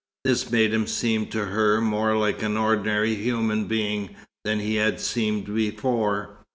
This made him seem to her more like an ordinary human being than he had seemed before.